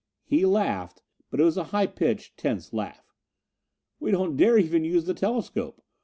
He laughed, but it was a high pitched, tense laugh. "We don't dare even use the telescope.